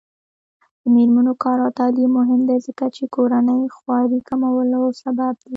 د میرمنو کار او تعلیم مهم دی ځکه چې کورنۍ خوارۍ کمولو سبب دی.